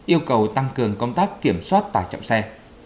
yêu cầu tăng cường công tác kiểm soát tải trọng xe